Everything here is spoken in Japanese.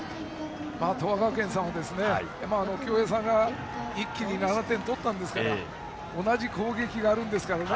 東亜学園さんは、共栄さんが一気に７点取ったんですが同じ攻撃があるんですからね